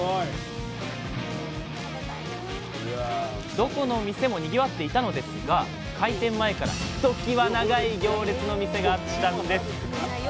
どこの店もにぎわっていたのですが開店前からひときわ長い行列の店があったんです。